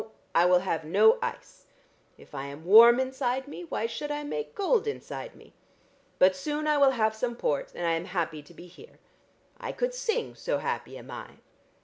I will have no ice! If I am warm inside me, why should I make cold inside me? But soon I will have some port, and I am happy to be here. I could sing, so happy am I."